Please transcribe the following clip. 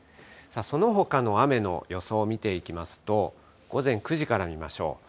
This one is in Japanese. そのほかの雨の予想を見ていきますと、午前９時から見ましょう。